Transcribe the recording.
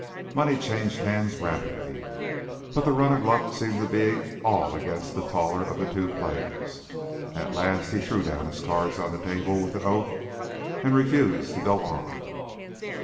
Money changed hands rapidly; but the run of luck seemed to be all against the taller of the two players. At last he threw down his cards on the table with an oath, and refused to go on.